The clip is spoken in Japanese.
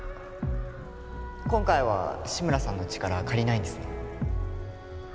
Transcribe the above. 今回は志村さんの力借りないんですね